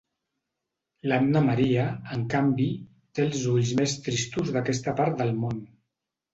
L'Anna Maria, en canvi, té els ulls més tristos d'aquesta part de món.